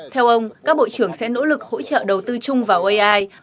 theo ông các bộ trưởng sẽ nỗ lực hỗ trợ đầu tư chung vào ai